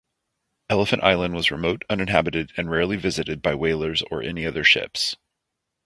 Elephant Island was remote, uninhabited, and rarely visited by whalers or any other ships.